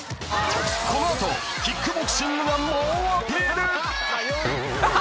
［この後キックボクシングが猛アピール］